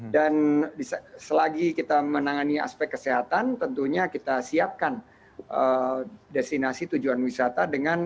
dan selagi kita menangani aspek kesehatan tentunya kita siapkan destinasi tujuan wisata dengan